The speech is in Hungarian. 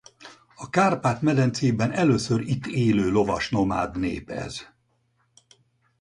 A Kárpát-medencében először itt élő lovas nomád nép ez.